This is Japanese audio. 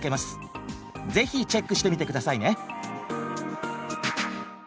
ぜひチェックしてみて下さいね。